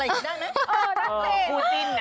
ถ้าจันจะมาประมาณลำโทรงลำเพลินอะไรก็ได้นะ